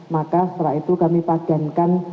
maka setelah itu kami pagenkan